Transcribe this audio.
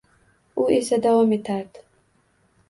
U esa davom etardi